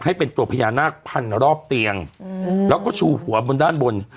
ให้เป็นตัวพญานาคพันรอบเตียงแล้วก็ชูหัวบนด้านบน